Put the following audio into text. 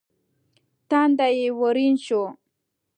تندی يې ورين شو.